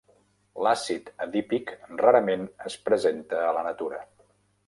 L'àcid adípic rarament es presenta a la natura.